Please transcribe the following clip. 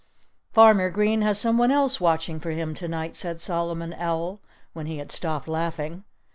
"Farmer Green has someone else watching for him to night," said Solomon Owl, when he had stopped laughing.